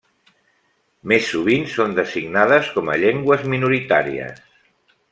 Més sovint són designades com a llengües minoritàries.